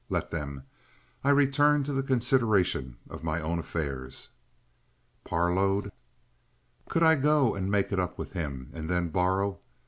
Let them! I returned to the consideration of my own affairs. Parload? Could I go and make it up with him, and then borrow?